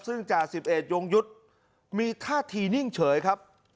ซึ่งจ่าสิบเอกยงยุทธ์มีท่าทีนิ่งเฉยครับ